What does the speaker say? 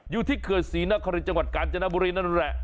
อยู่ที่เขื่อนศรีนครินจังหวัดกาญจนบุรีนั่นแหละ